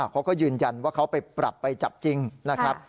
เขาก็ยืนยันว่าเขาไปปรับไปจับจริงนะครับ